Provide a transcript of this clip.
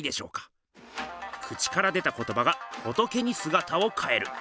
口から出た言葉が仏にすがたをかえる。